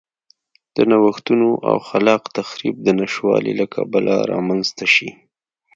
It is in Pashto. د نوښتونو او خلاق تخریب د نشتوالي له کبله رامنځته شي.